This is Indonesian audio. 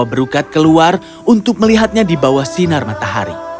berukat keluar untuk melihatnya di bawah sinar matahari